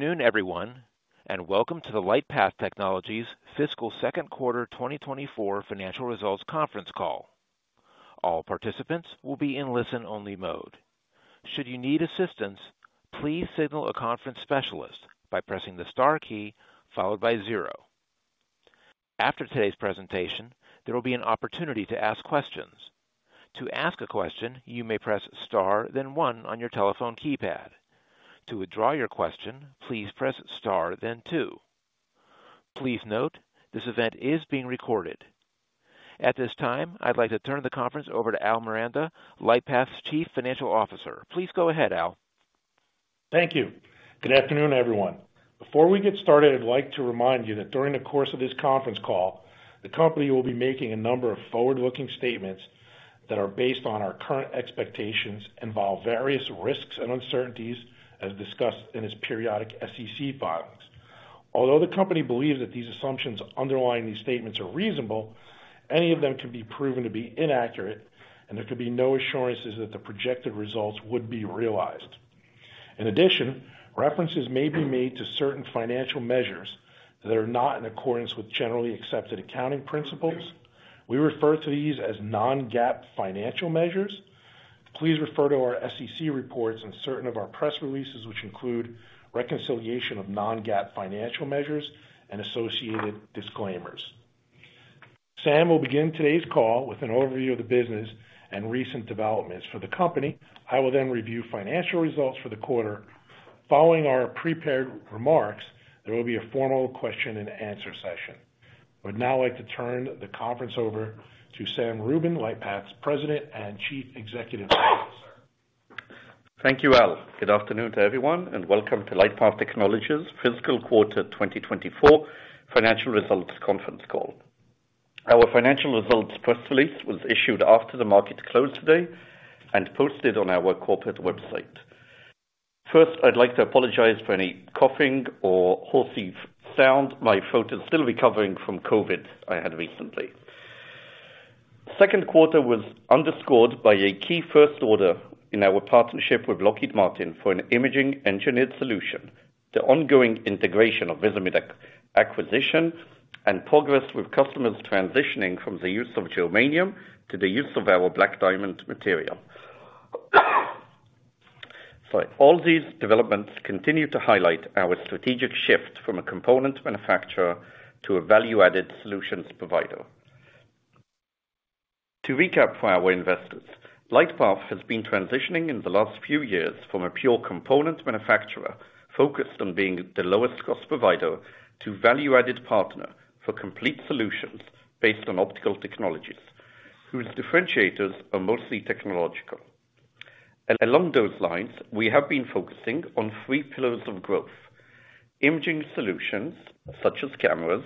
Afternoon, everyone, and welcome to the LightPath Technologies fiscal Q2 2024 financial results conference call. All participants will be in listen-only mode. Should you need assistance, please signal a conference specialist by pressing the star key followed by zero. After today's presentation, there will be an opportunity to ask questions. To ask a question, you may press star then one on your telephone keypad. To withdraw your question, please press star then two. Please note, this event is being recorded. At this time, I'd like to turn the conference over to Al Miranda, LightPath's Chief Financial Officer. Please go ahead, Al. Thank you. Good afternoon, everyone. Before we get started, I'd like to remind you that during the course of this conference call, the company will be making a number of forward-looking statements that are based on our current expectations and involve various risks and uncertainties as discussed in its periodic SEC filings. Although the company believes that these assumptions underlying these statements are reasonable, any of them can be proven to be inaccurate, and there could be no assurances that the projected results would be realized. In addition, references may be made to certain financial measures that are not in accordance with generally accepted accounting principles. We refer to these as Non-GAAP financial measures. Please refer to our SEC reports and certain of our press releases, which include reconciliation of Non-GAAP financial measures and associated disclaimers. Sam will begin today's call with an overview of the business and recent developments for the company. I will then review financial results for the quarter. Following our prepared remarks, there will be a formal question-and-answer session. I would now like to turn the conference over to Sam Rubin, LightPath's President and Chief Executive Officer. Thank you, Al. Good afternoon to everyone, and welcome to LightPath Technologies fiscal quarter 2024 financial results conference call. Our financial results press release was issued after the market closed today and posted on our corporate website. First, I'd like to apologize for any coughing or hoarse sound. My throat is still recovering from COVID I had recently. Q2 was underscored by a key first order in our partnership with Lockheed Martin for an imaging engineered solution, the ongoing integration of Visimid acquisition, and progress with customers transitioning from the use of germanium to the use of our Black Diamond material. Sorry. All these developments continue to highlight our strategic shift from a component manufacturer to a value-added solutions provider. To recap for our investors, LightPath has been transitioning in the last few years from a pure component manufacturer focused on being the lowest-cost provider to value-added partner for complete solutions based on optical technologies, whose differentiators are mostly technological. Along those lines, we have been focusing on three pillars of growth: imaging solutions such as cameras,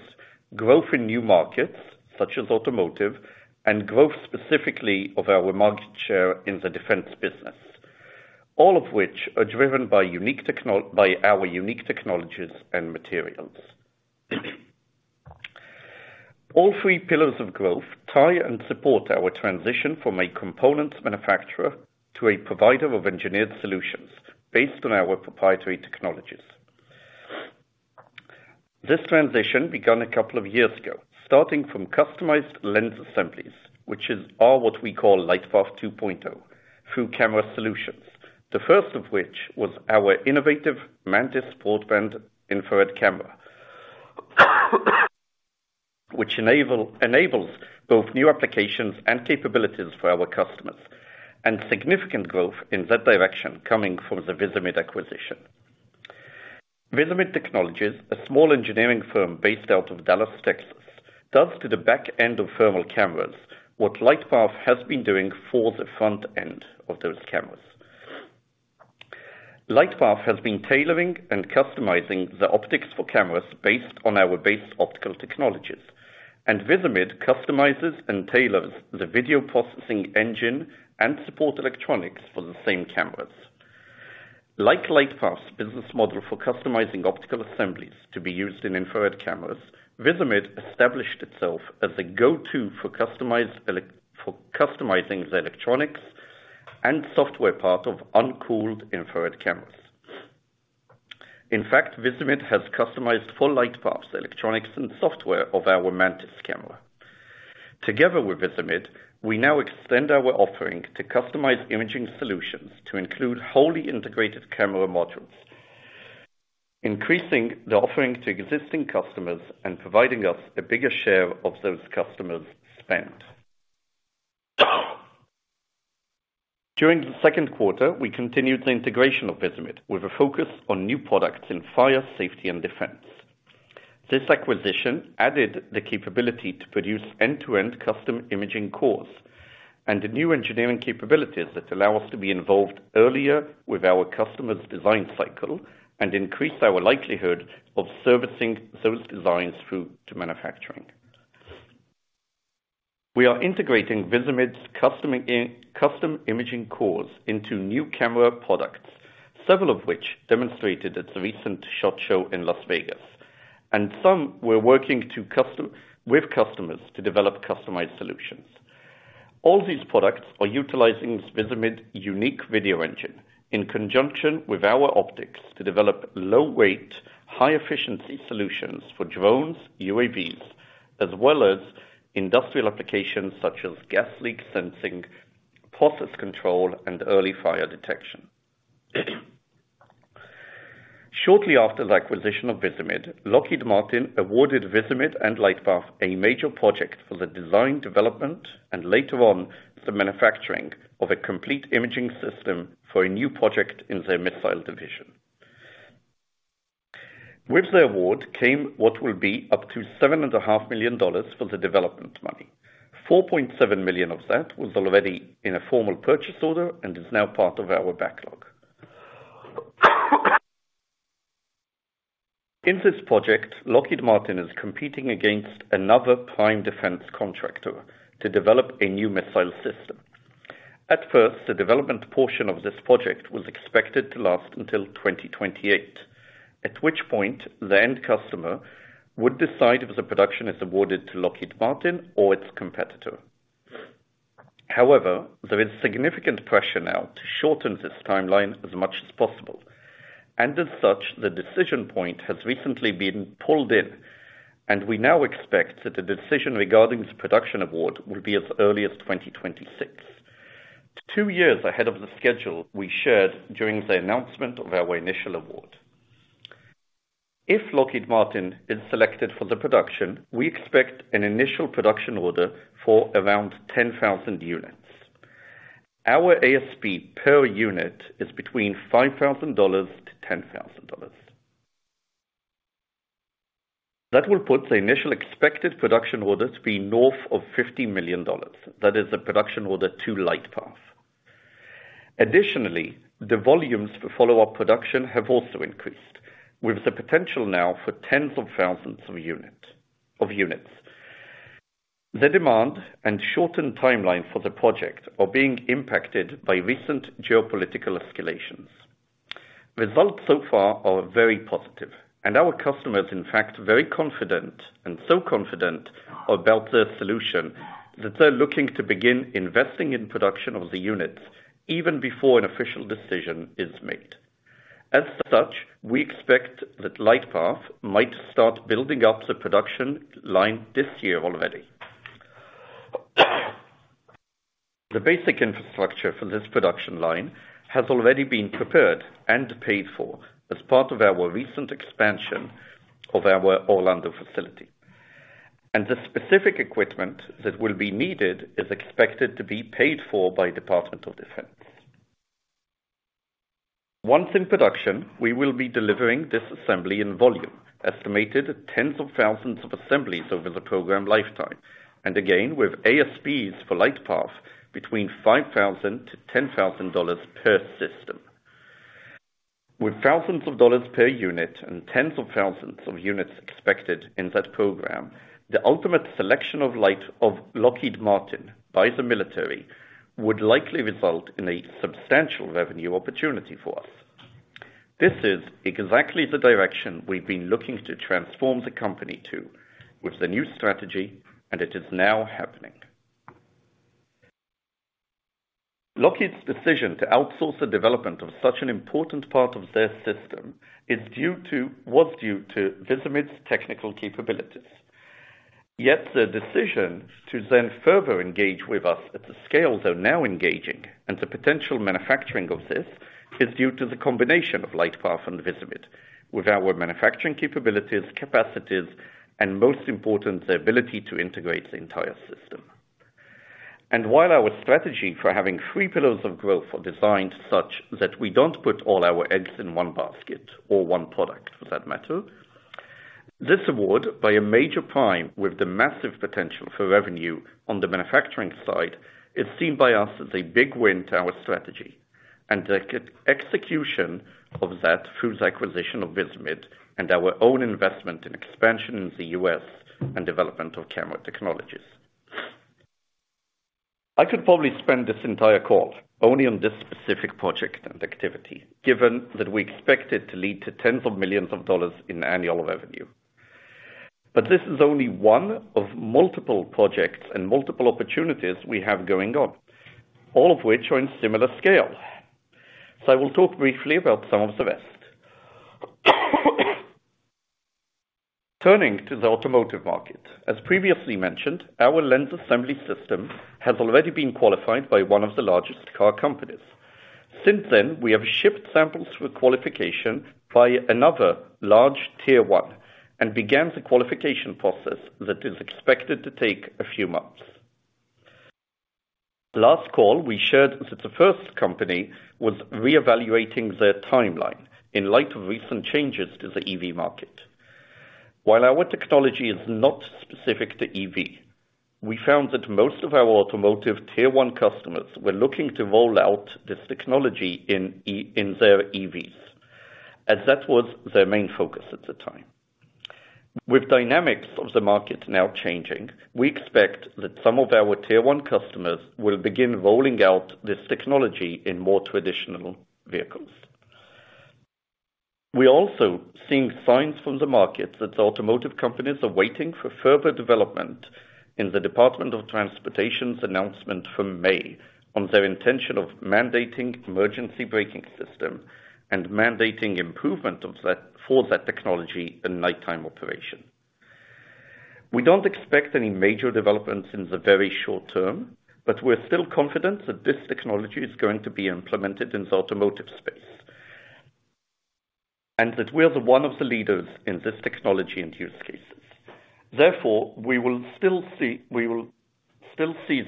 growth in new markets such as automotive, and growth specifically of our market share in the defense business, all of which are driven by our unique technologies and materials. All three pillars of growth tie and support our transition from a components manufacturer to a provider of engineered solutions based on our proprietary technologies. This transition began a couple of years ago, starting from customized lens assemblies, which are what we call LightPath 2.0, through camera solutions, the first of which was our innovative Mantis broadband infrared camera, which enables both new applications and capabilities for our customers, and significant growth in that direction coming from the Visimid acquisition. Visimid Technologies, a small engineering firm based out of Dallas, Texas, does to the back end of thermal cameras what LightPath has been doing for the front end of those cameras. LightPath has been tailoring and customizing the optics for cameras based on our base optical technologies, and Visimid customizes and tailors the video processing engine and support electronics for the same cameras. Like LightPath's business model for customizing optical assemblies to be used in infrared cameras, Visimid established itself as a go-to for customizing the electronics and software part of uncooled infrared cameras. In fact, Visimid has customized for LightPath's electronics and software of our Mantis camera. Together with Visimid, we now extend our offering to customize imaging solutions to include wholly integrated camera modules, increasing the offering to existing customers and providing us a bigger share of those customers' spend. During the Q2, we continued the integration of Visimid with a focus on new products in fire, safety, and defense. This acquisition added the capability to produce end-to-end custom imaging cores and the new engineering capabilities that allow us to be involved earlier with our customer's design cycle and increase our likelihood of servicing those designs through to manufacturing. We are integrating Visimid's custom imaging cores into new camera products, several of which demonstrated at the recent SHOT Show in Las Vegas, and some we're working with customers to develop customized solutions. All these products are utilizing Visimid's unique video engine in conjunction with our optics to develop low-weight, high-efficiency solutions for drones, UAVs, as well as industrial applications such as gas leak sensing, process control, and early fire detection. Shortly after the acquisition of Visimid, Lockheed Martin awarded Visimid and LightPath a major project for the design, development, and later on the manufacturing of a complete imaging system for a new project in their missile division. With the award came what will be up to $7.5 million for the development money. $4.7 million of that was already in a formal purchase order and is now part of our backlog. In this project, Lockheed Martin is competing against another prime defense contractor to develop a new missile system. At first, the development portion of this project was expected to last until 2028, at which point the end customer would decide if the production is awarded to Lockheed Martin or its competitor. However, there is significant pressure now to shorten this timeline as much as possible, and as such, the decision point has recently been pulled in, and we now expect that a decision regarding the production award will be as early as 2026, 2 years ahead of the schedule we shared during the announcement of our initial award. If Lockheed Martin is selected for the production, we expect an initial production order for around 10,000 units. Our ASP per unit is between $5,000-$10,000. That will put the initial expected production order to be north of $50 million. That is a production order to LightPath. Additionally, the volumes for follow-up production have also increased, with the potential now for tens of thousands of units. The demand and shortened timeline for the project are being impacted by recent geopolitical escalations. Results so far are very positive, and our customers are in fact very confident and so confident about their solution that they're looking to begin investing in production of the units even before an official decision is made. As such, we expect that LightPath might start building up the production line this year already. The basic infrastructure for this production line has already been prepared and paid for as part of our recent expansion of our Orlando facility, and the specific equipment that will be needed is expected to be paid for by the Department of Defense. Once in production, we will be delivering this assembly in volume, estimated tens of thousands of assemblies over the program lifetime, and again with ASPs for LightPath between $5,000-$10,000 per system. With thousands of dollars per unit and tens of thousands of units expected in that program, the ultimate selection of Lockheed Martin by the military would likely result in a substantial revenue opportunity for us. This is exactly the direction we've been looking to transform the company to with the new strategy, and it is now happening. Lockheed's decision to outsource the development of such an important part of their system was due to Visimid's technical capabilities. Yet the decision to then further engage with us at the scale they're now engaging and the potential manufacturing of this is due to the combination of LightPath and Visimid with our manufacturing capabilities, capacities, and most important, the ability to integrate the entire system. And while our strategy for having three pillars of growth are designed such that we don't put all our eggs in one basket or one product for that matter, this award by a major prime with the massive potential for revenue on the manufacturing side is seen by us as a big win to our strategy and the execution of that through the acquisition of Visimid and our own investment in expansion in the US and development of camera technologies. I could probably spend this entire call only on this specific project and activity, given that we expect it to lead to tens of millions of dollars in annual revenue. But this is only one of multiple projects and multiple opportunities we have going on, all of which are in similar scale. So I will talk briefly about some of the rest. Turning to the automotive market, as previously mentioned, our lens assembly system has already been qualified by one of the largest car companies. Since then, we have shipped samples for qualification by another large Tier one and began the qualification process that is expected to take a few months. Last call, we shared that the first company was reevaluating their timeline in light of recent changes to the EV market. While our technology is not specific to EV, we found that most of our automotive tier one customers were looking to roll out this technology in their EVs, as that was their main focus at the time. With dynamics of the market now changing, we expect that some of our tier one customers will begin rolling out this technology in more traditional vehicles. We are also seeing signs from the market that automotive companies are waiting for further development in the Department of Transportation's announcement from May on their intention of mandating emergency braking system and mandating improvement for that technology in nighttime operation. We don't expect any major developments in the very short term, but we're still confident that this technology is going to be implemented in the automotive space and that we are one of the leaders in this technology and use cases. Therefore, we will still see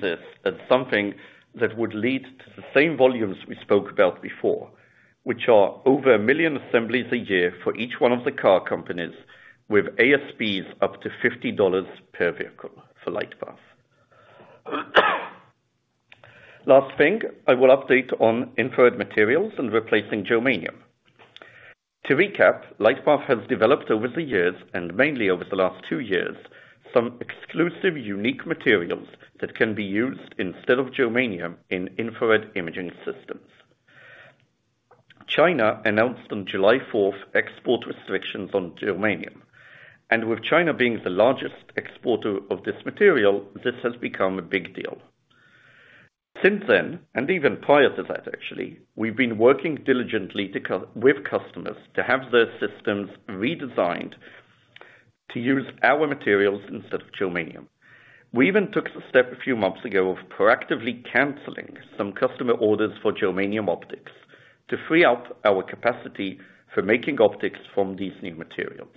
this as something that would lead to the same volumes we spoke about before, which are over 1 million assemblies a year for each one of the car companies with ASPs up to $50 per vehicle for LightPath. Last thing, I will update on infrared materials and replacing germanium. To recap, LightPath has developed over the years, and mainly over the last two years, some exclusive unique materials that can be used instead of germanium in infrared imaging systems. China announced on July 4th export restrictions on germanium, and with China being the largest exporter of this material, this has become a big deal. Since then, and even prior to that, actually, we've been working diligently with customers to have their systems redesigned to use our materials instead of germanium. We even took the step a few months ago of proactively canceling some customer orders for germanium optics to free up our capacity for making optics from these new materials.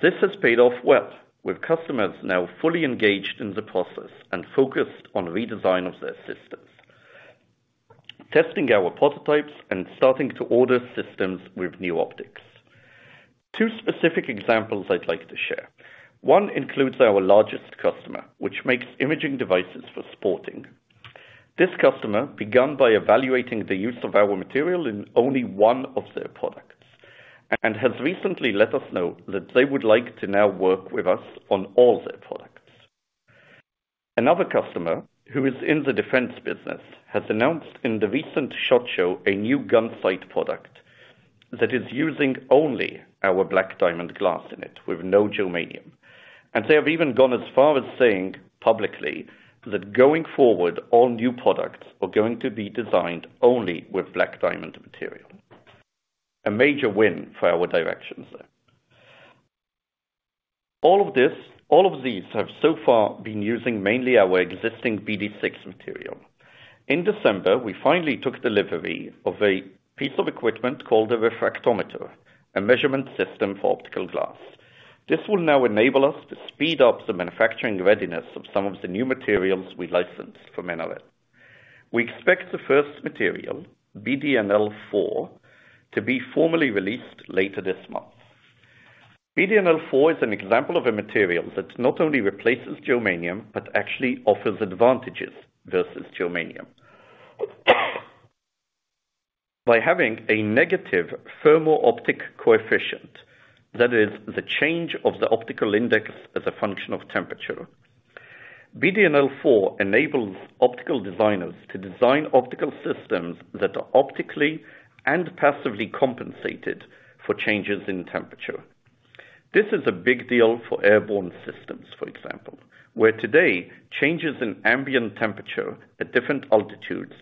This has paid off well, with customers now fully engaged in the process and focused on redesign of their systems, testing our prototypes, and starting to order systems with new optics. Two specific examples I'd like to share. One includes our largest customer, which makes imaging devices for sporting. This customer began by evaluating the use of our material in only one of their products and has recently let us know that they would like to now work with us on all their products. Another customer, who is in the defense business, has announced in the recent SHOT Show a new gun sight product that is using only our Black Diamond glass in it with no germanium, and they have even gone as far as saying publicly that going forward, all new products are going to be designed only with Black Diamond material. A major win for our directions, though. All of these have so far been using mainly our existing BD6 material. In December, we finally took delivery of a piece of equipment called a refractometer, a measurement system for optical glass. This will now enable us to speed up the manufacturing readiness of some of the new materials we licensed from NRL. We expect the first material, BDNL-4, to be formally released later this month. BDNL-4 is an example of a material that not only replaces germanium but actually offers advantages versus germanium by having a negative thermal optic coefficient, that is, the change of the optical index as a function of temperature. BDNL-4 enables optical designers to design optical systems that are optically and passively compensated for changes in temperature. This is a big deal for airborne systems, for example, where today changes in ambient temperature at different altitudes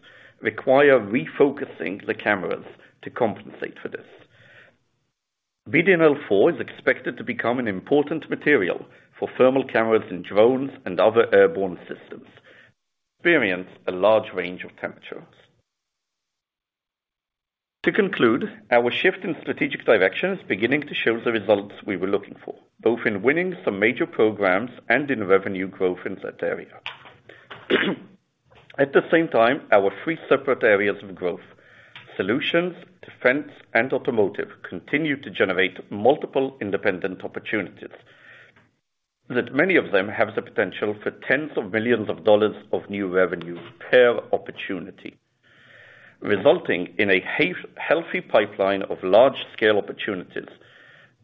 require refocusing the cameras to compensate for this. BDNL-4 is expected to become an important material for thermal cameras in drones and other airborne systems. Experience a large range of temperatures. To conclude, our shift in strategic direction is beginning to show the results we were looking for, both in winning some major programs and in revenue growth in that area. At the same time, our three separate areas of growth, solutions, defense, and automotive, continue to generate multiple independent opportunities that many of them have the potential for tens of millions of dollars of new revenue per opportunity, resulting in a healthy pipeline of large-scale opportunities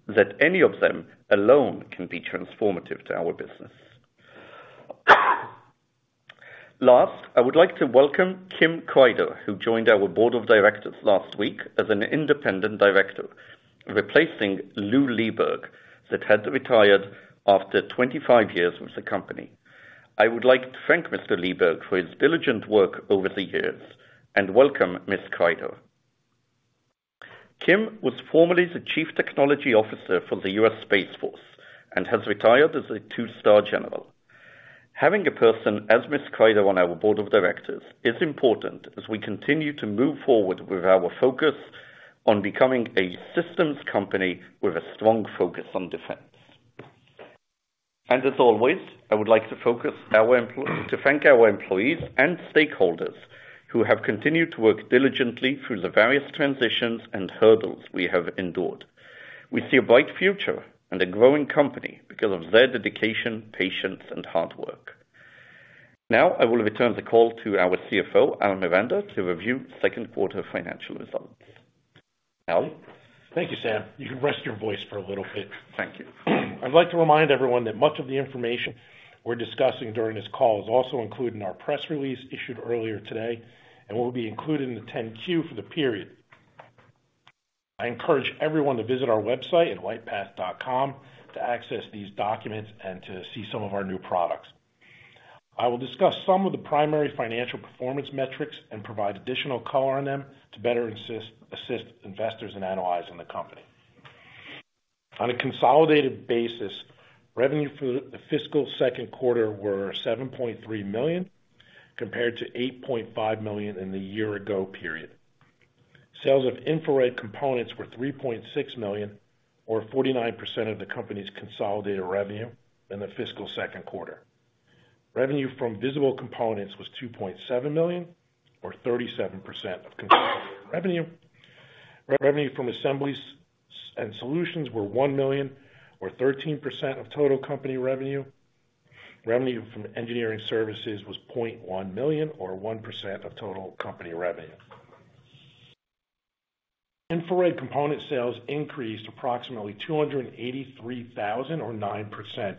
that any of them alone can be transformative to our business. Last, I would like to welcome Kim Crider, who joined our board of directors last week as an independent director, replacing Lou Leeburg that had retired after 25 years with the company. I would like to thank Mr. Leeburg for his diligent work over the years and welcome Miss Crider. Kim was formerly the chief technology officer for the US Space Force and has retired as a two-star general. Having a person as Ms. Crider on our board of directors is important as we continue to move forward with our focus on becoming a systems company with a strong focus on defense. As always, I would like to thank our employees and stakeholders who have continued to work diligently through the various transitions and hurdles we have endured. We see a bright future and a growing company because of their dedication, patience, and hard work. Now, I will return the call to our CFO, Al Miranda, to review Q2 financial results. Al. Thank you, Sam. You can rest your voice for a little bit. Thank you. I'd like to remind everyone that much of the information we're discussing during this call is also included in our press release issued earlier today and will be included in the 10-Q for the period. I encourage everyone to visit our website at lightpath.com to access these documents and to see some of our new products. I will discuss some of the primary financial performance metrics and provide additional color on them to better assist investors in analyzing the company. On a consolidated basis, revenue for the fiscal Q2 were $7.3 million compared to $8.5 million in the year-ago period. Sales of infrared components were $3.6 million, or 49% of the company's consolidated revenue in the fiscal Q2. Revenue from visible components was $2.7 million, or 37% of consolidated revenue. Revenue from assemblies and solutions were $1 million, or 13% of total company revenue. Revenue from engineering services was $0.1 million, or 1% of total company revenue. Infrared component sales increased approximately $283,000, or 9%,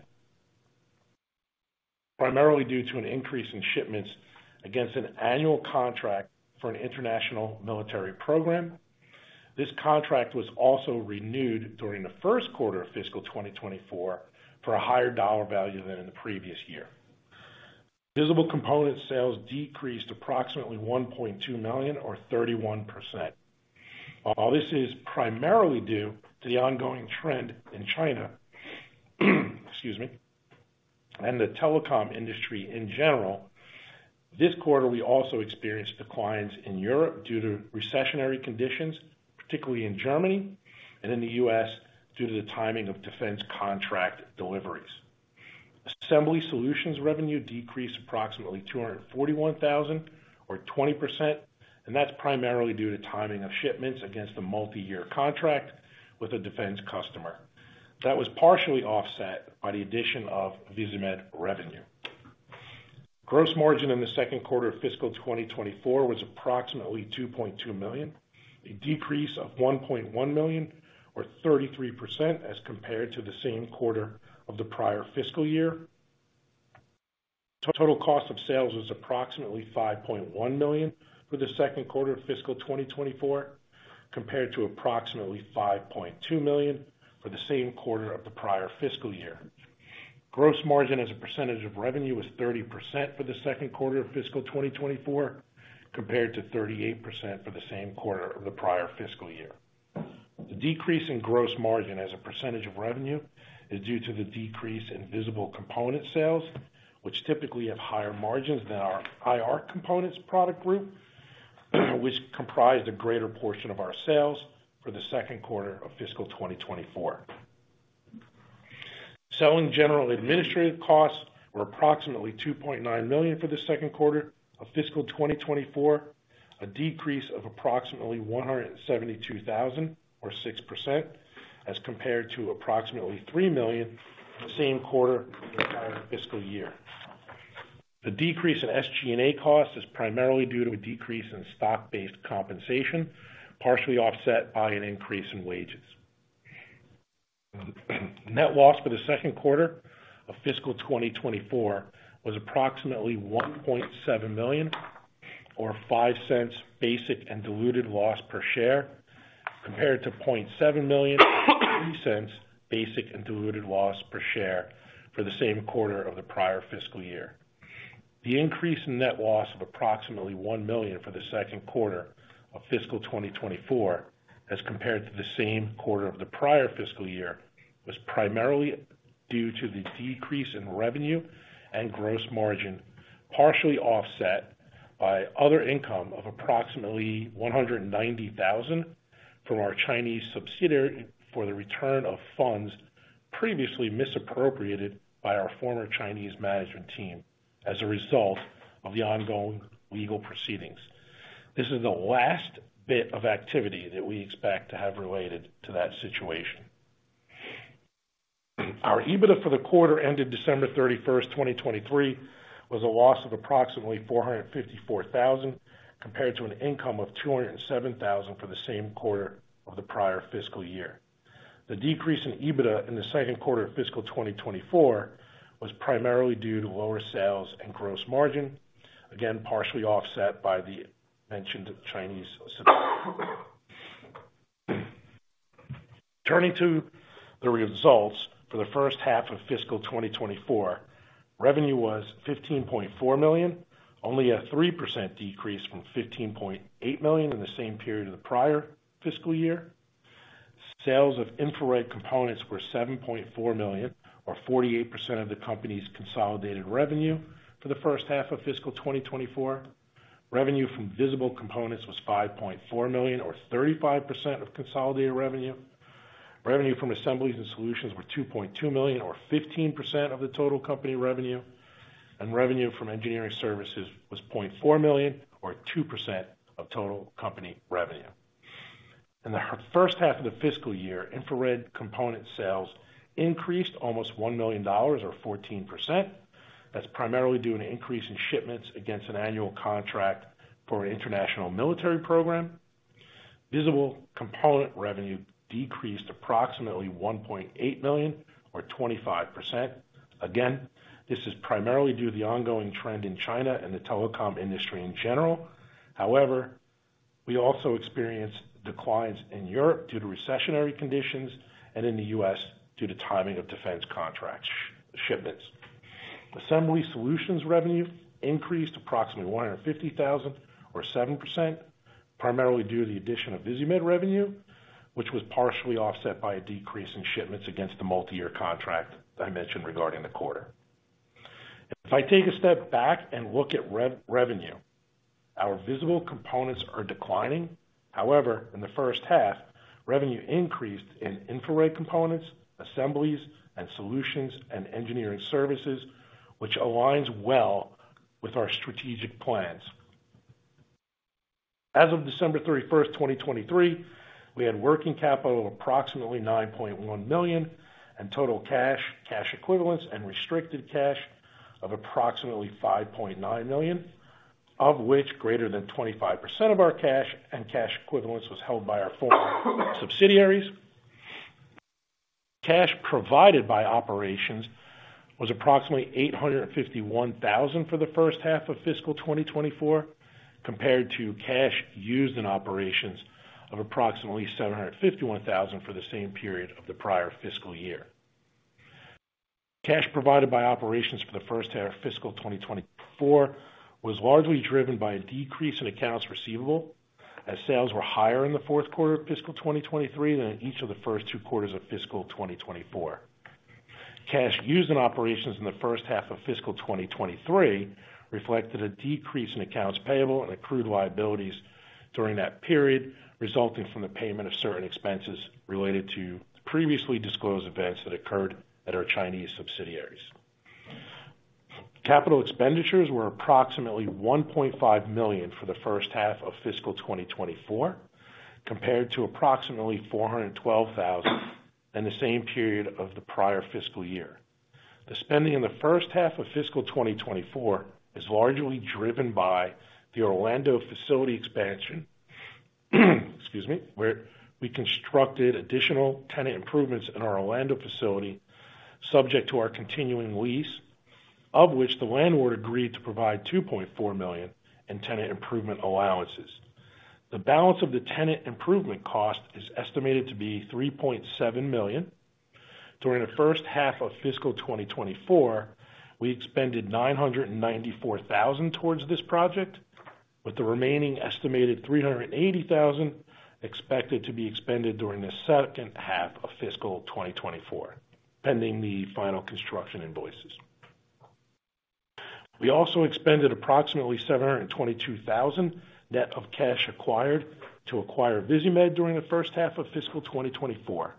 primarily due to an increase in shipments against an annual contract for an international military program. This contract was also renewed during the first quarter of fiscal 2024 for a higher dollar value than in the previous year. Visible component sales decreased approximately $1.2 million, or 31%. All this is primarily due to the ongoing trend in China, excuse me, and the telecom industry in general. This quarter, we also experienced declines in Europe due to recessionary conditions, particularly in Germany and in the US due to the timing of defense contract deliveries. Assembly solutions revenue decreased approximately $241,000, or 20%, and that's primarily due to timing of shipments against a multi-year contract with a defense customer. That was partially offset by the addition of Visimid revenue. Gross margin in the Q2 of fiscal 2024 was approximately $2.2 million, a decrease of $1.1 million, or 33% as compared to the same quarter of the prior fiscal year. Total cost of sales was approximately $5.1 million for the Q2 of fiscal 2024 compared to approximately $5.2 million for the same quarter of the prior fiscal year. Gross margin as a percentage of revenue was 30% for the Q2 of fiscal 2024 compared to 38% for the same quarter of the prior fiscal year. The decrease in gross margin as a percentage of revenue is due to the decrease in visible component sales, which typically have higher margins than our IR components product group, which comprised a greater portion of our sales for the Q2 of fiscal 2024. Selling, general and administrative costs were approximately $2.9 million for the Q2 of fiscal 2024, a decrease of approximately $172,000, or 6%, as compared to approximately $3 million the same quarter of the prior fiscal year. The decrease in SG&A costs is primarily due to a decrease in stock-based compensation, partially offset by an increase in wages. Net loss for the Q2 of fiscal 2024 was approximately $1.7 million, or $0.05 basic and diluted loss per share, compared to $0.7 million, $0.03 basic and diluted loss per share for the same quarter of the prior fiscal year. The increase in net loss of approximately $1 million for the Q2 of fiscal 2024 as compared to the same quarter of the prior fiscal year was primarily due to the decrease in revenue and gross margin, partially offset by other income of approximately $190,000 from our Chinese subsidiary for the return of funds previously misappropriated by our former Chinese management team as a result of the ongoing legal proceedings. This is the last bit of activity that we expect to have related to that situation. Our EBITDA for the quarter ended December 31st, 2023, was a loss of approximately $454,000 compared to an income of $207,000 for the same quarter of the prior fiscal year. The decrease in EBITDA in the Q2 of fiscal 2024 was primarily due to lower sales and gross margin, again partially offset by the mentioned Chinese subsidiary. Turning to the results for the first half of fiscal 2024, revenue was $15.4 million, only a 3% decrease from $15.8 million in the same period of the prior fiscal year. Sales of infrared components were $7.4 million, or 48% of the company's consolidated revenue for the first half of fiscal 2024. Revenue from visible components was $5.4 million, or 35% of consolidated revenue. Revenue from assemblies and solutions were $2.2 million, or 15% of the total company revenue, and revenue from engineering services was $0.4 million, or 2% of total company revenue. In the first half of the fiscal year, infrared component sales increased almost $1 million, or 14%. That's primarily due to an increase in shipments against an annual contract for an international military program. Visible component revenue decreased approximately $1.8 million, or 25%. Again, this is primarily due to the ongoing trend in China and the telecom industry in general. However, we also experienced declines in Europe due to recessionary conditions and in the US due to timing of defense contract shipments. Assembly solutions revenue increased approximately $150,000, or 7%, primarily due to the addition of Visimid revenue, which was partially offset by a decrease in shipments against the multi-year contract that I mentioned regarding the quarter. If I take a step back and look at revenue, our visible components are declining. However, in the first half, revenue increased in infrared components, assemblies, and solutions and engineering services, which aligns well with our strategic plans. As of December 31st, 2023, we had working capital of approximately $9.1 million and total cash, cash equivalents, and restricted cash of approximately $5.9 million, of which greater than 25% of our cash and cash equivalents was held by our former subsidiaries. Cash provided by operations was approximately $851,000 for the first half of fiscal 2024 compared to cash used in operations of approximately $751,000 for the same period of the prior fiscal year. Cash provided by operations for the first half of fiscal 2024 was largely driven by a decrease in accounts receivable as sales were higher in the Q4 of fiscal 2023 than in each of the first two quarters of fiscal 2024. Cash used in operations in the first half of fiscal 2023 reflected a decrease in accounts payable and accrued liabilities during that period, resulting from the payment of certain expenses related to previously disclosed events that occurred at our Chinese subsidiaries. Capital expenditures were approximately $1.5 million for the first half of fiscal 2024 compared to approximately $412,000 in the same period of the prior fiscal year. The spending in the first half of fiscal 2024 is largely driven by the Orlando facility expansion, where we constructed additional tenant improvements in our Orlando facility subject to our continuing lease, of which the landlord agreed to provide $2.4 million in tenant improvement allowances. The balance of the tenant improvement cost is estimated to be $3.7 million. During the first half of fiscal 2024, we expended $994,000 towards this project, with the remaining estimated $380,000 expected to be expended during the second half of fiscal 2024, pending the final construction invoices. We also expended approximately $722,000 net of cash acquired to acquire Visimid during the first half of fiscal 2024.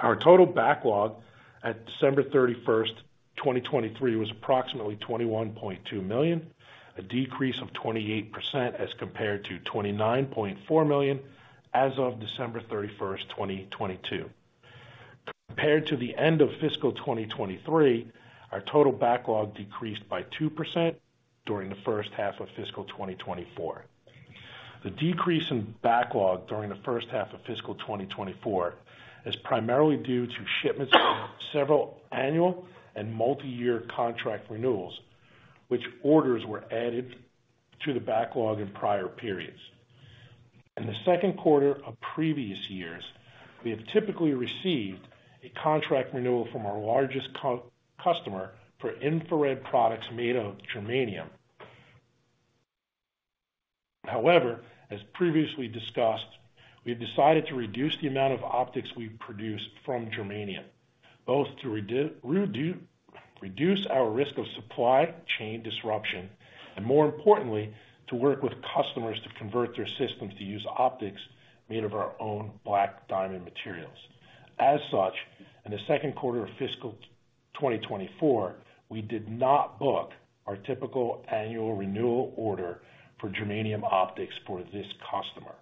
Our total backlog at December 31st, 2023, was approximately $21.2 million, a decrease of 28% as compared to $29.4 million as of December 31st, 2022. Compared to the end of fiscal 2023, our total backlog decreased by 2% during the first half of fiscal 2024. The decrease in backlog during the first half of fiscal 2024 is primarily due to shipments of several annual and multi-year contract renewals, which orders were added to the backlog in prior periods. In the Q2 of previous years, we have typically received a contract renewal from our largest customer for infrared products made of germanium. However, as previously discussed, we have decided to reduce the amount of optics we produce from germanium, both to reduce our risk of supply chain disruption and, more importantly, to work with customers to convert their systems to use optics made of our own Black Diamond materials. As such, in the Q2 of fiscal 2024, we did not book our typical annual renewal order for germanium optics for this customer.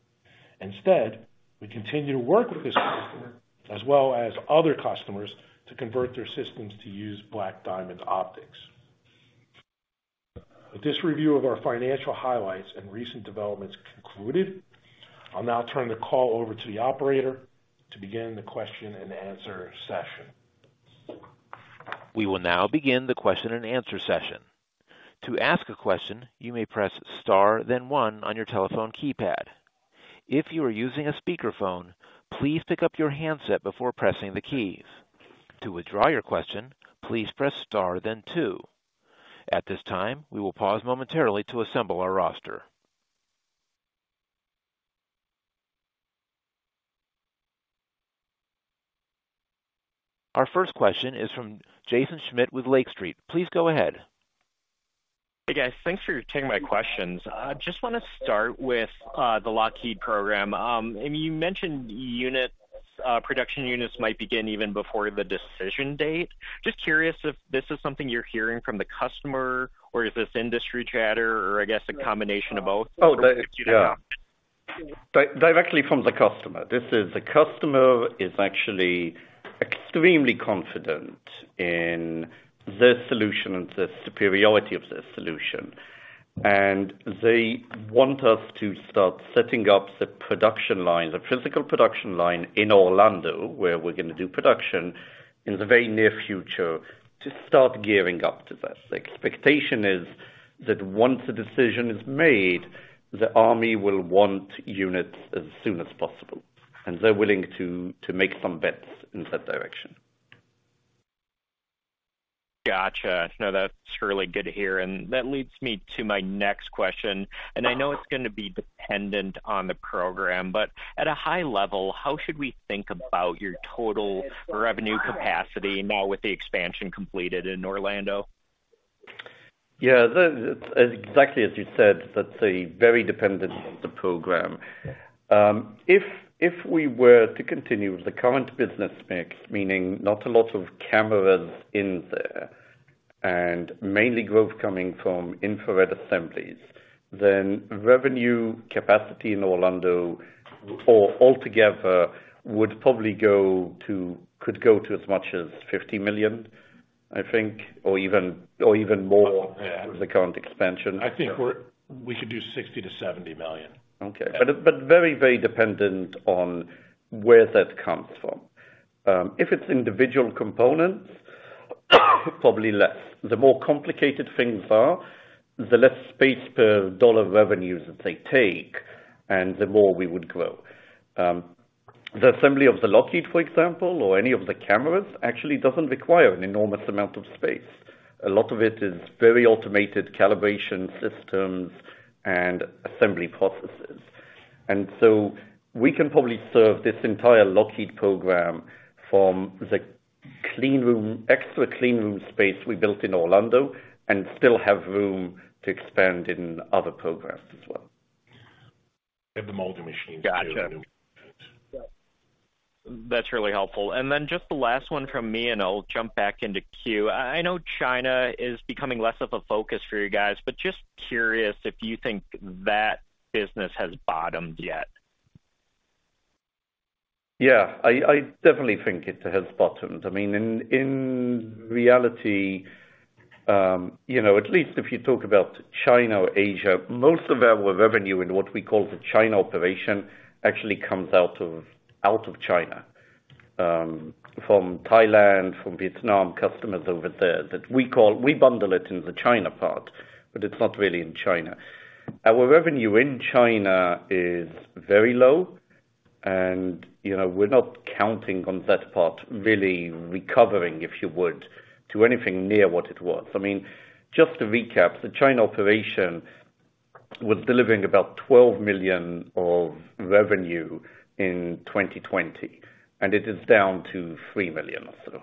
Instead, we continue to work with this customer as well as other customers to convert their systems to use Black Diamond optics. With this review of our financial highlights and recent developments concluded, I'll now turn the call over to the operator to begin the question-and-answer session. We will now begin the question-and-answer session. To ask a question, you may press star, then one, on your telephone keypad. If you are using a speakerphone, please pick up your handset before pressing the keys. To withdraw your question, please press star, then two. At this time, we will pause momentarily to assemble our roster. Our first question is from Jaeson Schmidt with Lake Street. Please go ahead. Hey, guys. Thanks for taking my questions. I just want to start with the Lockheed program. You mentioned production units might begin even before the decision date. Just curious if this is something you're hearing from the customer, or is this industry chatter, or I guess a combination of both? Oh, directly from the customer. The customer is actually extremely confident in their solution and the superiority of their solution. They want us to start setting up the production line, the physical production line in Orlando, where we're going to do production in the very near future, to start gearing up to that. The expectation is that once a decision is made, the army will want units as soon as possible. They're willing to make some bets in that direction. Gotcha. No, that's really good to hear. That leads me to my next question. I know it's going to be dependent on the program, but at a high level, how should we think about your total revenue capacity now with the expansion completed in Orlando? Yeah, exactly as you said, that's very dependent on the program. If we were to continue with the current business mix, meaning not a lot of cameras in there and mainly growth coming from infrared assemblies, then revenue capacity in Orlando altogether would probably go to, could go to as much as $50 million, I think, or even more with the current expansion. I think we could do $60 million-$70 million. Okay. But very, very dependent on where that comes from. If it's individual components, probably less. The more complicated things are, the less space per dollar revenues that they take, and the more we would grow. The assembly of the Lockheed, for example, or any of the cameras actually doesn't require an enormous amount of space. A lot of it is very automated calibration systems and assembly processes. And so we can probably serve this entire Lockheed program from the extra clean room space we built in Orlando and still have room to expand in other programs as well. And the molding machines too. Gotcha. That's really helpful. And then just the last one from me, and I'll jump back into queue. I know China is becoming less of a focus for you guys, but just curious if you think that business has bottomed yet? Yeah, I definitely think it has bottomed. I mean, in reality, at least if you talk about China or Asia, most of our revenue in what we call the China operation actually comes out of China, from Thailand, from Vietnam, customers over there that we call we bundle it in the China part, but it's not really in China. Our revenue in China is very low, and we're not counting on that part really recovering, if you would, to anything near what it was. I mean, just to recap, the China operation was delivering about $12 million of revenue in 2020, and it is down to $3 million or so.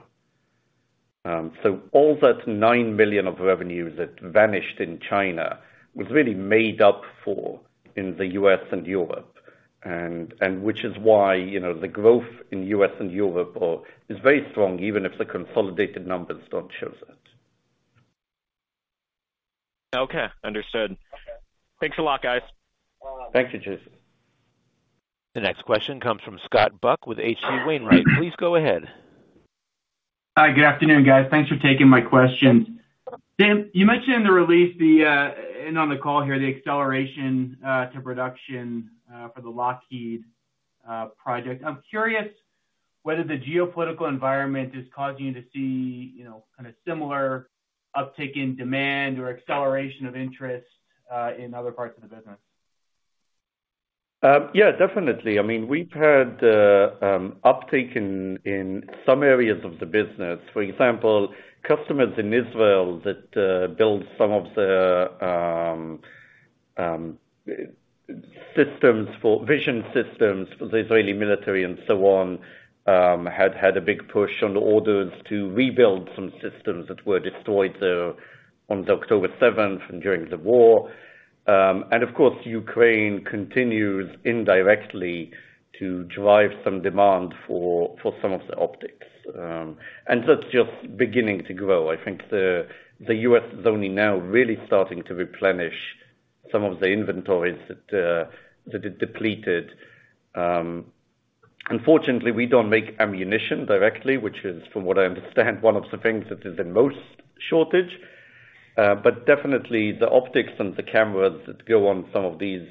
So all that $9 million of revenue that vanished in China was really made up for in the US and Europe, which is why the growth in US and Europe is very strong, even if the consolidated numbers don't show that. Okay. Understood. Thanks a lot, guys. Thank you, Jaeson. The next question comes from Scott Buck with H.C. Wainwright. Please go ahead. Hi. Good afternoon, guys. Thanks for taking my questions. Sam, you mentioned in the release and on the call here, the acceleration to production for the Lockheed project. I'm curious whether the geopolitical environment is causing you to see kind of similar uptick in demand or acceleration of interest in other parts of the business? Yeah, definitely. I mean, we've had uptick in some areas of the business. For example, customers in Israel that build some of the vision systems for the Israeli military and so on had had a big push on orders to rebuild some systems that were destroyed on October 7th and during the war. Of course, Ukraine continues indirectly to drive some demand for some of the optics. And that's just beginning to grow. I think the US is only now really starting to replenish some of the inventories that it depleted. Unfortunately, we don't make ammunition directly, which is, from what I understand, one of the things that is in most shortage. But definitely, the optics and the cameras that go on some of these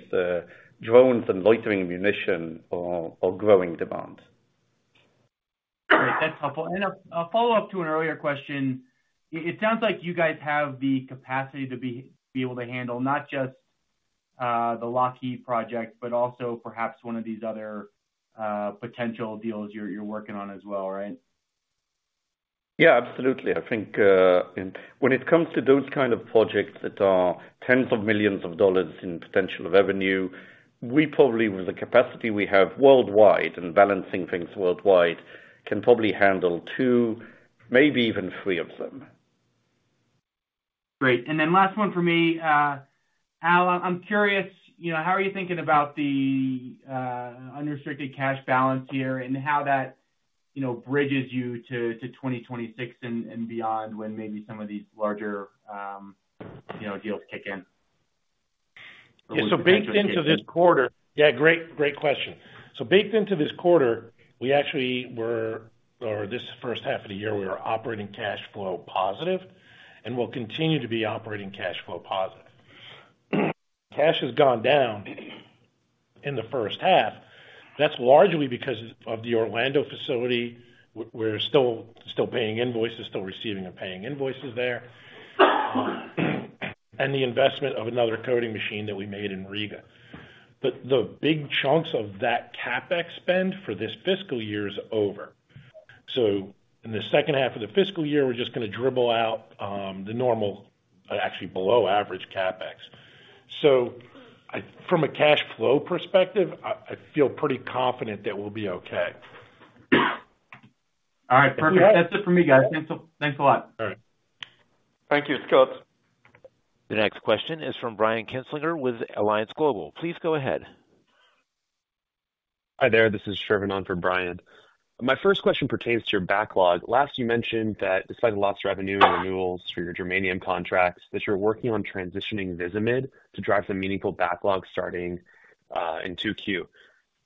drones and loitering ammunition are growing demand. Great. That's helpful. And a follow-up to an earlier question, it sounds like you guys have the capacity to be able to handle not just the Lockheed project, but also perhaps one of these other potential deals you're working on as well, right? Yeah, absolutely. I think when it comes to those kind of projects that are $10s of millions in potential revenue, we probably, with the capacity we have worldwide and balancing things worldwide, can probably handle two, maybe even three of them. Great. And then last one for me, Al, I'm curious, how are you thinking about the unrestricted cash balance here and how that bridges you to 2026 and beyond when maybe some of these larger deals kick in? Yeah, great question. So baked into this quarter, we actually were, or this first half of the year, we were operating cash flow positive and will continue to be operating cash flow positive. Cash has gone down in the first half. That's largely because of the Orlando facility. We're still paying invoices, still receiving and paying invoices there, and the investment of another coating machine that we made in Riga. But the big chunks of that CapEx spend for this fiscal year is over. So in the second half of the fiscal year, we're just going to dribble out the normal, actually below-average CapEx. So from a cash flow perspective, I feel pretty confident that we'll be okay. All right. Perfect. That's it for me, guys. Thanks a lot. All right. Thank you, Scott. The next question is from Brian Kinstlinger with Alliance Global Partners. Please go ahead. Hi there. This is Shrivanand for Brian. My first question pertains to your backlog. Last, you mentioned that despite the lost revenue and renewals for your germanium contracts, that you're working on transitioning Visimid to drive some meaningful backlog starting in 2Q.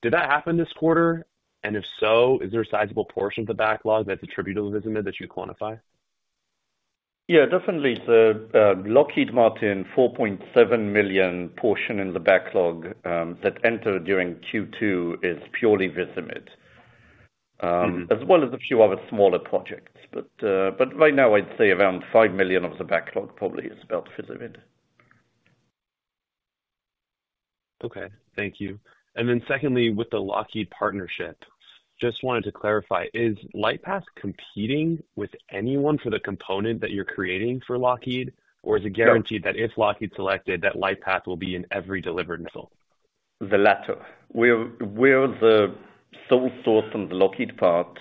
Did that happen this quarter? And if so, is there a sizable portion of the backlog that's attributable to Visimid that you quantify? Yeah, definitely. The Lockheed Martin $4.7 million portion in the backlog that entered during Q2 is purely Visimid. As well as a few other smaller projects. Right now, I'd say around $5 million of the backlog probably is about Visimid. Okay. Thank you. And then secondly, with the Lockheed partnership, just wanted to clarify, is LightPath competing with anyone for the component that you're creating for Lockheed, or is it guaranteed that if Lockheed selected, that LightPath will be in every delivered nickel? The latter. We're the sole source on the Lockheed part.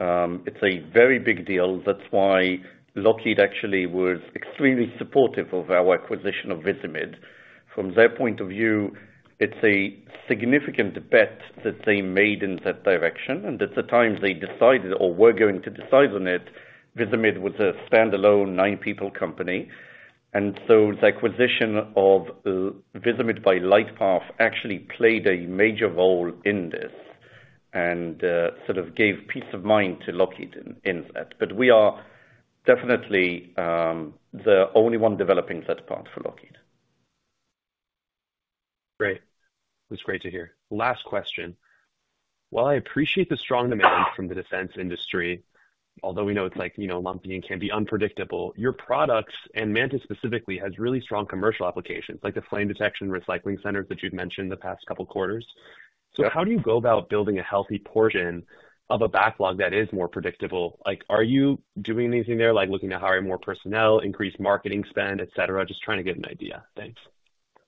It's a very big deal. That's why Lockheed actually was extremely supportive of our acquisition of Visimid. From their point of view, it's a significant bet that they made in that direction. And at the time they decided or were going to decide on it, Visimid was a standalone nine people company. And so the acquisition of Visimid by LightPath actually played a major role in this and sort of gave peace of mind to Lockheed in that. But we are definitely the only one developing that part for Lockheed. Great. That's great to hear. Last question. While I appreciate the strong demand from the defense industry, although we know it's lumpy and can be unpredictable, your products and Mantis specifically has really strong commercial applications, like the flame detection recycling centers that you've mentioned the past couple of quarters. So how do you go about building a healthy portion of a backlog that is more predictable? Are you doing anything there, like looking to hire more personnel, increase marketing spend, etc., just trying to get an idea? Thanks.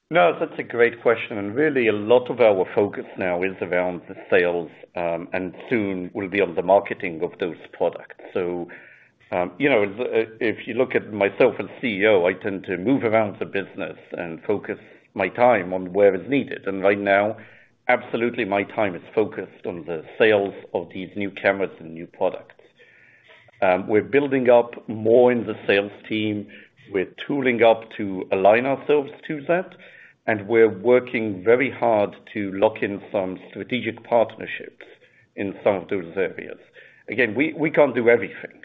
No, that's a great question. And really, a lot of our focus now is around the sales and soon will be on the marketing of those products. So if you look at myself as CEO, I tend to move around the business and focus my time on where it's needed. And right now, absolutely, my time is focused on the sales of these new cameras and new products. We're building up more in the sales team. We're tooling up to align ourselves to that. And we're working very hard to lock in some strategic partnerships in some of those areas. Again, we can't do everything.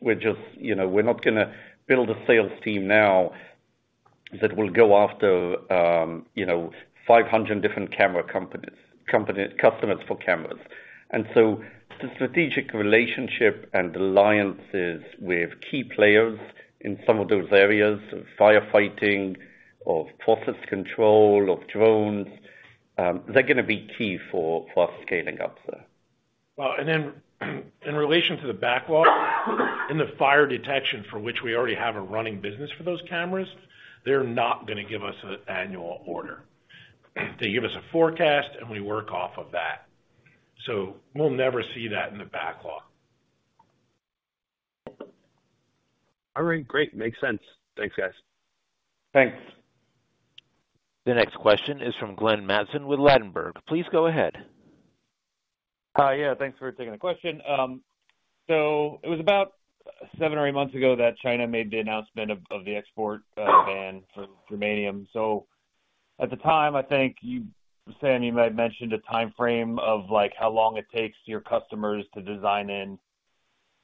We're not going to build a sales team now that will go after 500 different customers for cameras. And so the strategic relationship and alliances with key players in some of those areas, firefighting, of process control, of drones, they're going to be key for us scaling up there. Well, and then in relation to the backlog in the fire detection for which we already have a running business for those cameras, they're not going to give us an annual order. They give us a forecast, and we work off of that. So we'll never see that in the backlog. All right. Great. Makes sense. Thanks, guys. Thanks. The next question is from Glenn Mattson with Ladenburg Thalmann. Please go ahead. Yeah. Thanks for taking the question. So it was about seven or eight months ago that China made the announcement of the export ban for germanium. So at the time, I think, Sam, you might have mentioned a timeframe of how long it takes your customers to design in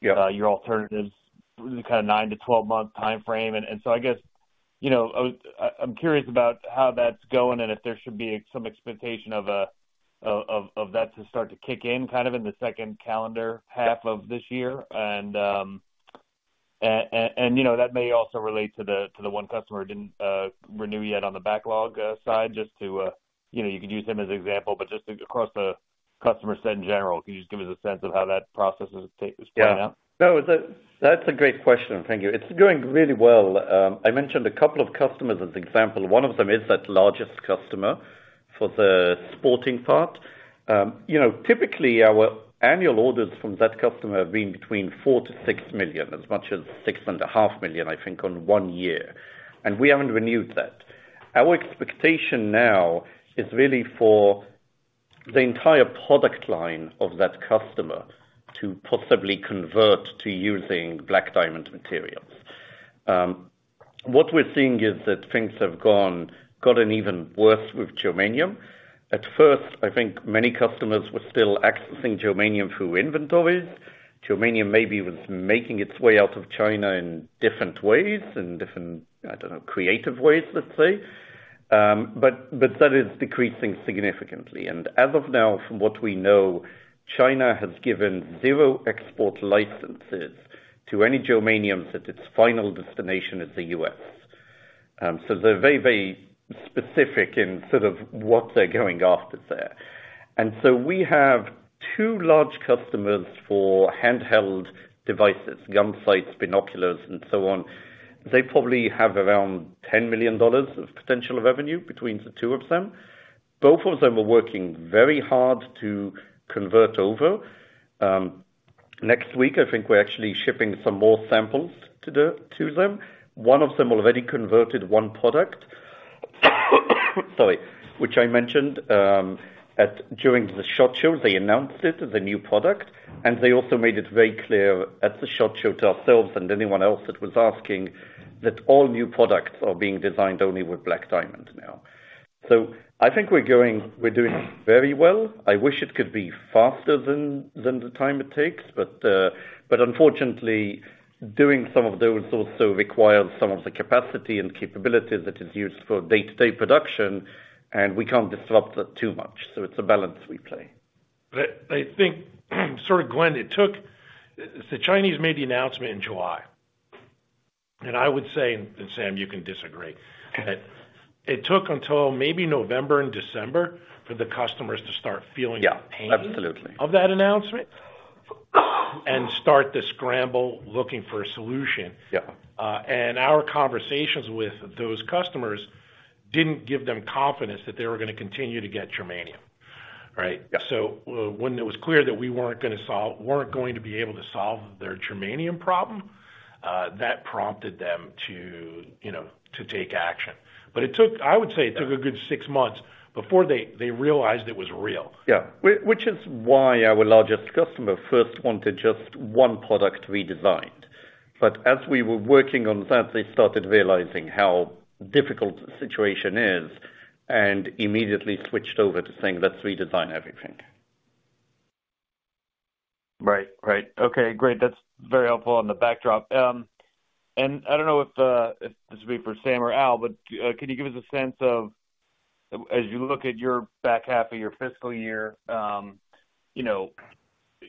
your alternatives, kind of nine to 12-month timeframe. And so I guess I'm curious about how that's going and if there should be some expectation of that to start to kick in kind of in the second calendar half of this year. And that may also relate to the 1 customer who didn't renew yet on the backlog side, just to you could use him as an example, but just across the customer set in general. Can you just give us a sense of how that process is playing out? Yeah. No, that's a great question. Thank you. It's going really well. I mentioned a couple of customers as an example. One of them is that largest customer for the sporting part. Typically, our annual orders from that customer have been between $4 million-$6 million, as much as $6.5 million, I think, on one year. And we haven't renewed that. Our expectation now is really for the entire product line of that customer to possibly convert to using Black Diamond materials. What we're seeing is that things have gotten even worse with germanium. At first, I think many customers were still accessing germanium through inventories. Germanium maybe was making its way out of China in different ways, in different, I don't know, creative ways, let's say. But that is decreasing significantly. As of now, from what we know, China has given zero export licenses to any germanium that its final destination is the US. So they're very, very specific in sort of what they're going after there. And so we have two large customers for handheld devices, gun sights, binoculars, and so on. They probably have around $10 million of potential revenue between the two of them. Both of them are working very hard to convert over. Next week, I think we're actually shipping some more samples to them. One of them already converted one product, sorry, which I mentioned during the SHOT Show. They announced it as a new product. And they also made it very clear at the SHOT Show to ourselves and anyone else that was asking that all new products are being designed only with Black Diamond now. So I think we're doing very well. I wish it could be faster than the time it takes. But unfortunately, doing some of those also requires some of the capacity and capabilities that is used for day-to-day production. And we can't disrupt that too much. So it's a balance we play. I think, sort of Glenn, it took the Chinese made the announcement in July. And I would say, and Sam, you can disagree, that it took until maybe November and December for the customers to start feeling the pain of that announcement and start to scramble looking for a solution. And our conversations with those customers didn't give them confidence that they were going to continue to get germanium, right? So when it was clear that we weren't going to be able to solve their germanium problem, that prompted them to take action. But I would say it took a good six months before they realized it was real. Yeah, which is why our largest customer first wanted just one product redesigned. But as we were working on that, they started realizing how difficult the situation is and immediately switched over to saying, "Let's redesign everything. Right. Right. Okay. Great. That's very helpful on the backdrop. And I don't know if this will be for Sam or Al, but can you give us a sense of, as you look at your back half of your fiscal year,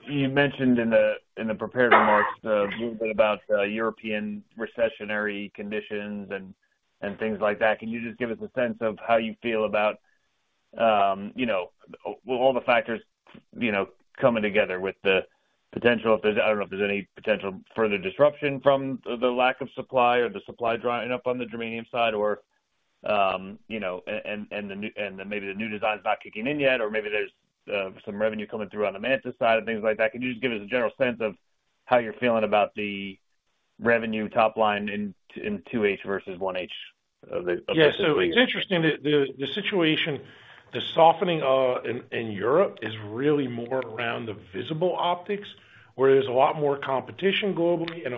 you mentioned in the prepared remarks a little bit about European recessionary conditions and things like that. Can you just give us a sense of how you feel about all the factors coming together with the potential, if there's, I don't know, if there's any potential further disruption from the lack of supply or the supply drying up on the germanium side or and maybe the new design's not kicking in yet or maybe there's some revenue coming through on the Mantis side and things like that. Can you just give us a general sense of how you're feeling about the revenue top line in 2H versus 1H of this week? Yeah. So it's interesting. The softening in Europe is really more around the visible optics, where there's a lot more competition globally and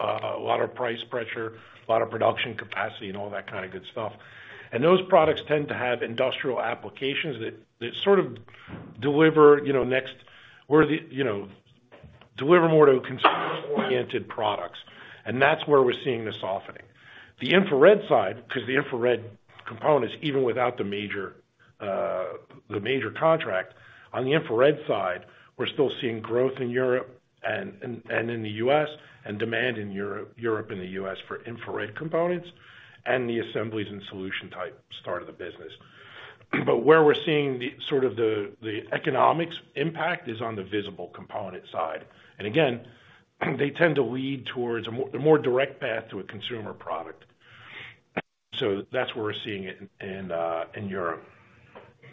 a lot of price pressure, a lot of production capacity, and all that kind of good stuff. And those products tend to have industrial applications that sort of deliver next where they deliver more to consumer-oriented products. And that's where we're seeing the softening. The infrared side, because the infrared components, even without the major contract, on the infrared side, we're still seeing growth in Europe and in the US and demand in Europe and the US for infrared components and the assemblies and solution-type start of the business. But where we're seeing sort of the economics impact is on the visible component side. And again, they tend to lead towards a more direct path to a consumer product. So that's where we're seeing it in Europe.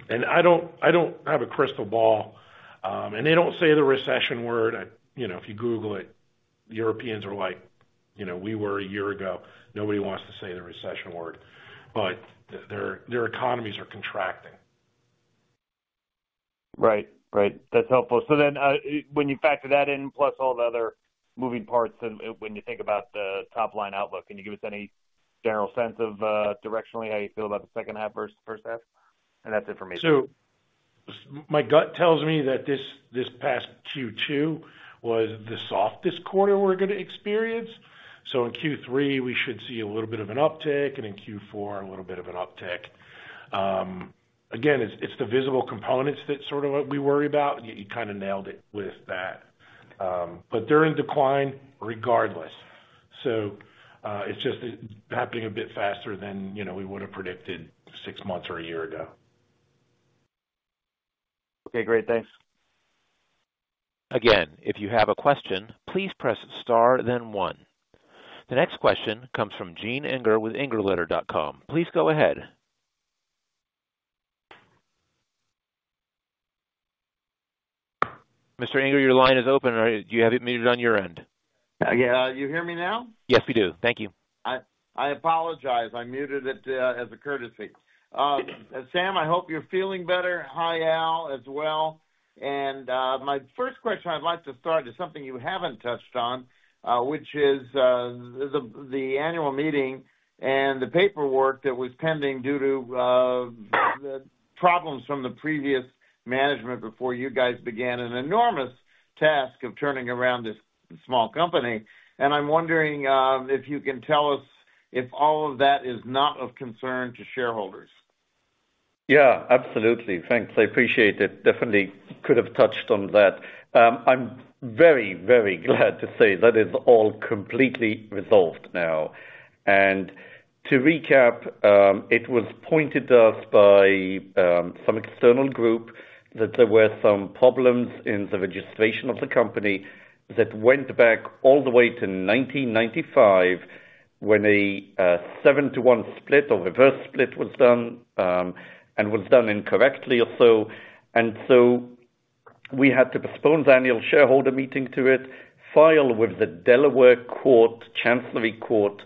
I don't have a crystal ball. They don't say the recession word. If you Google it, Europeans are like, "We were a year ago." Nobody wants to say the recession word. Their economies are contracting. Right. Right. That's helpful. So then when you factor that in plus all the other moving parts and when you think about the top-line outlook, can you give us any general sense of directionally how you feel about the second half versus first half? And that's information. So my gut tells me that this past Q2 was the softest quarter we're going to experience. So in Q3, we should see a little bit of an uptick, and in Q4, a little bit of an uptick. Again, it's the visible components that sort of we worry about. You kind of nailed it with that. But they're in decline regardless. So it's just happening a bit faster than we would have predicted six months or a year ago. Okay. Great. Thanks. Again, if you have a question, please press star, then one. The next question comes from Gene Inger with IngerLetter.com. Please go ahead. Mr. Inger, your line is open. Do you have it muted on your end? Yeah. You hear me now? Yes, we do. Thank you. I apologize. I muted it as a courtesy. Sam, I hope you're feeling better. Hi, Al, as well. And my first question I'd like to start is something you haven't touched on, which is the annual meeting and the paperwork that was pending due to the problems from the previous management before you guys began an enormous task of turning around this small company. And I'm wondering if you can tell us if all of that is not of concern to shareholders? Yeah. Absolutely. Thanks. I appreciate it. Definitely could have touched on that. I'm very, very glad to say that is all completely resolved now. To recap, it was pointed out by some external group that there were some problems in the registration of the company that went back all the way to 1995 when a seven to one split or reverse split was done and was done incorrectly or so. So we had to postpone the annual shareholder meeting, to file with the Delaware Chancery Court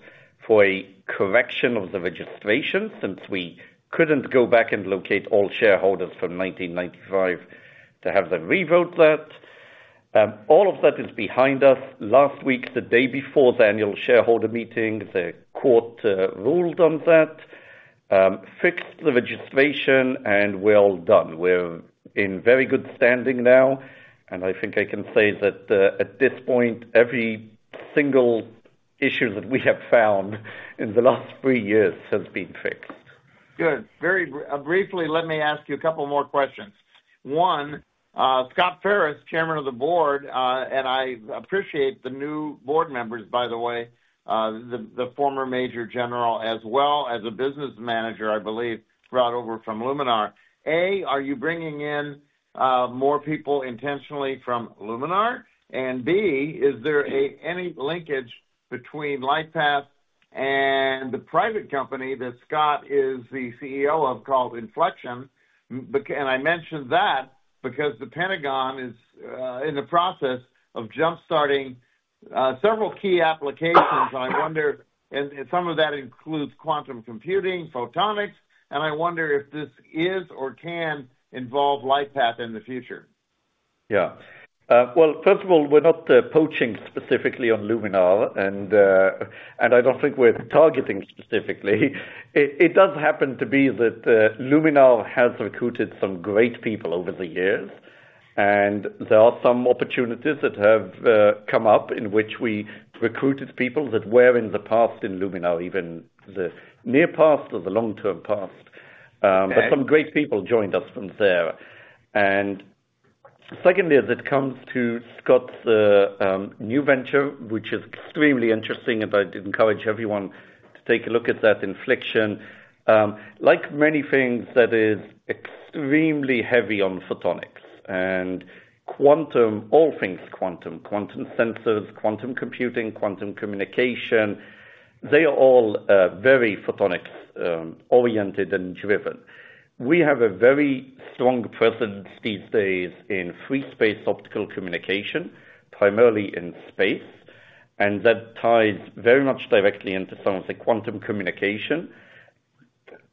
for a correction of the registration since we couldn't go back and locate all shareholders from 1995 to have them revoke that. All of that is behind us. Last week, the day before the annual shareholder meeting, the court ruled on that, fixed the registration, and we're all done. We're in very good standing now. I think I can say that at this point, every single issue that we have found in the last three years has been fixed. Good. Briefly, let me ask you a couple more questions. One, Scott Faris, chairman of the board, and I appreciate the new board members, by the way, the former major general as well as a business manager, I believe, brought over from Luminar. A, are you bringing in more people intentionally from Luminar? And B, is there any linkage between LightPath and the private company that Scott is the CEO of called Infleqtion? And I mentioned that because the Pentagon is in the process of jump-starting several key applications. And some of that includes quantum computing, photonics. And I wonder if this is or can involve LightPath in the future. Yeah. Well, first of all, we're not poaching specifically on Luminar. And I don't think we're targeting specifically. It does happen to be that Luminar has recruited some great people over the years. And there are some opportunities that have come up in which we recruited people that were in the past in Luminar, even the near past or the long-term past. But some great people joined us from there. And secondly, as it comes to Scott's new venture, which is extremely interesting, and I'd encourage everyone to take a look at that, Infleqtion, like many things, that is extremely heavy on photonics and quantum, all things quantum, quantum sensors, quantum computing, quantum communication, they are all very photonics-oriented and driven. We have a very strong presence these days in free space optical communication, primarily in space. That ties very much directly into some of the quantum communication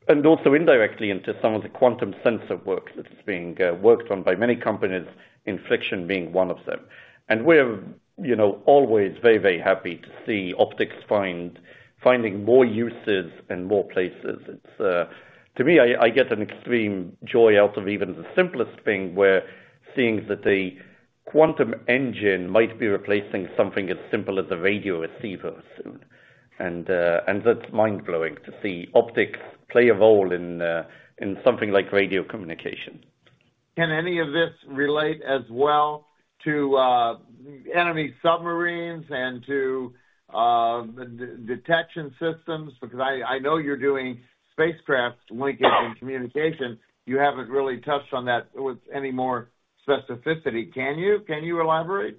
and also indirectly into some of the quantum sensor work that's being worked on by many companies, Infleqtion being one of them. We're always very, very happy to see optics finding more uses and more places. To me, I get an extreme joy out of even the simplest thing where, seeing that the quantum engine might be replacing something as simple as a radio receiver soon. That's mind-blowing to see optics play a role in something like radio communication. Can any of this relate as well to enemy submarines and to detection systems? Because I know you're doing spacecraft linkage and communication. You haven't really touched on that with any more specificity. Can you elaborate?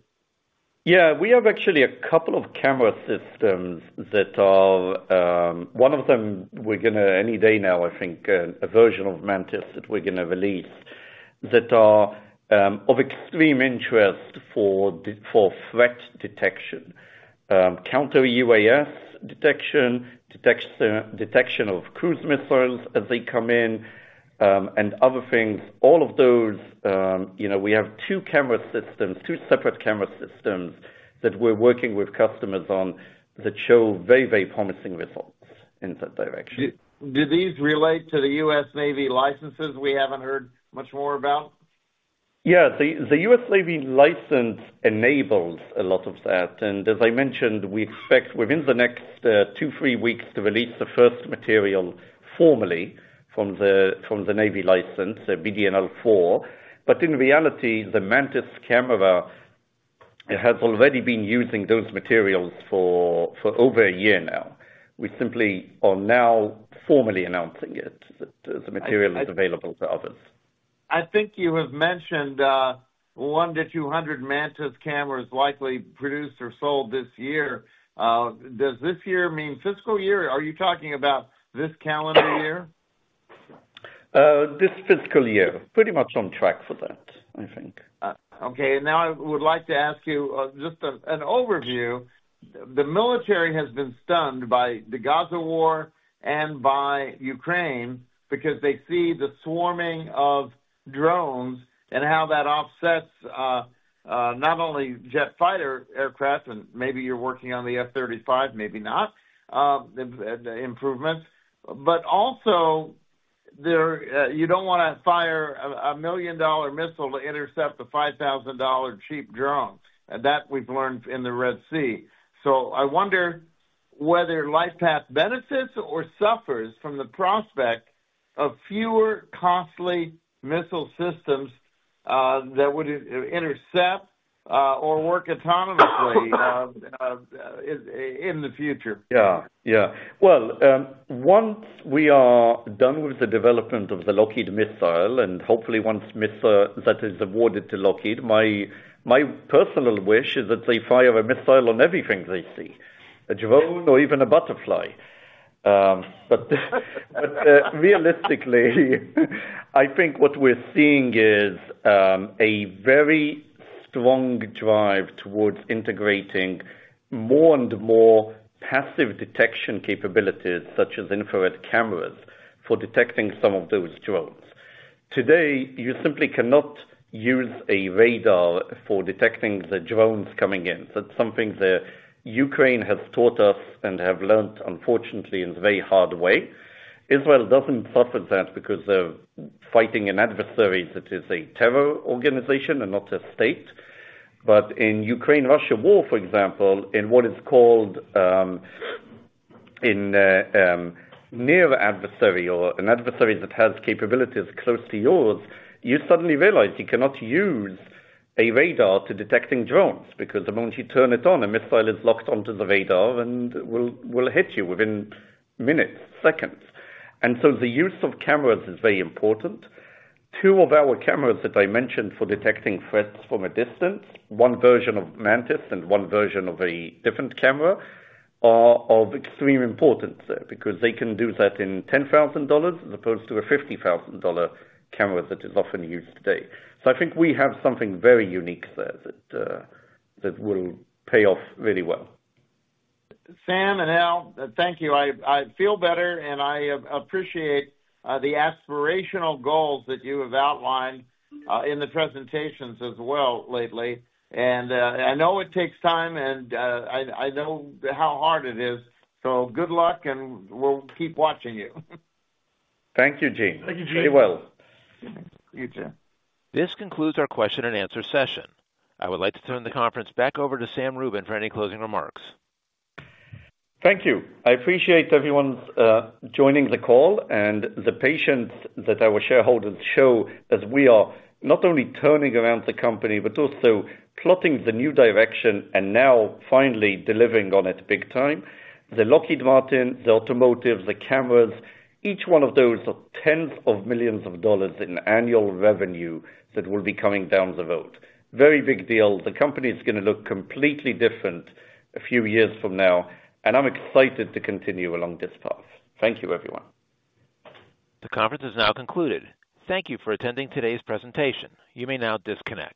Yeah. We have actually a couple of camera systems that are one of them, we're going to any day now, I think, a version of Mantis that we're going to release that are of extreme interest for threat detection, counter-UAS detection, detection of cruise missiles as they come in, and other things. All of those, we have two camera systems, two separate camera systems that we're working with customers on that show very, very promising results in that direction. Do these relate to the U.S. Navy licenses we haven't heard much more about? Yeah. The U.S. Navy license enables a lot of that. As I mentioned, we expect within the next two, three weeks to release the first material formally from the Navy license, BDNL4. In reality, the Mantis camera, it has already been using those materials for over a year now. We simply are now formally announcing it, that the material is available to others. I think you have mentioned 100-200 Mantis cameras likely produced or sold this year. Does this year mean fiscal year? Are you talking about this calendar year? This fiscal year. Pretty much on track for that, I think. Okay. Now I would like to ask you just an overview. The military has been stunned by the Gaza War and by Ukraine because they see the swarming of drones and how that offsets not only jet fighter aircraft, and maybe you're working on the F-35, maybe not, improvements. But also, you don't want to fire a $1 million missile to intercept a $5,000 cheap drone. And that we've learned in the Red Sea. So I wonder whether LightPath benefits or suffers from the prospect of fewer costly missile systems that would intercept or work autonomously in the future. Yeah. Yeah. Well, once we are done with the development of the Lockheed missile and hopefully once that is awarded to Lockheed, my personal wish is that they fire a missile on everything they see, a drone or even a butterfly. But realistically, I think what we're seeing is a very strong drive towards integrating more and more passive detection capabilities such as infrared cameras for detecting some of those drones. Today, you simply cannot use a radar for detecting the drones coming in. That's something that Ukraine has taught us and have learned, unfortunately, in a very hard way. Israel doesn't suffer that because they're fighting an adversary that is a terror organization and not a state. But in Ukraine-Russia War, for example, in what is called a near adversary or an adversary that has capabilities close to yours, you suddenly realize you cannot use a radar to detecting drones because the moment you turn it on, a missile is locked onto the radar and will hit you within minutes, seconds. And so the use of cameras is very important. Two of our cameras that I mentioned for detecting threats from a distance, one version of Mantis and one version of a different camera, are of extreme importance there because they can do that in $10,000 as opposed to a $50,000 camera that is often used today. So I think we have something very unique there that will pay off really well. Sam and Al, thank you. I feel better, and I appreciate the aspirational goals that you have outlined in the presentations as well lately. And I know it takes time, and I know how hard it is. So good luck, and we'll keep watching you. Thank you, Gene. Very well. This concludes our question-and-answer session. I would like to turn the conference back over to Sam Rubin for any closing remarks. Thank you. I appreciate everyone joining the call and the patience that our shareholders show as we are not only turning around the company but also plotting the new direction and now finally delivering on it big time. The Lockheed Martin, the automotive, the cameras, each one of those are $10s of millions in annual revenue that will be coming down the road. Very big deal. The company is going to look completely different a few years from now. I'm excited to continue along this path. Thank you, everyone. The conference is now concluded. Thank you for attending today's presentation. You may now disconnect.